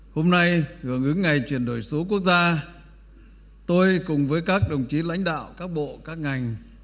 hôm nay hưởng ứng ngày chuyển đổi số quốc gia tôi cùng với các đồng chí lãnh đạo các bộ các ngành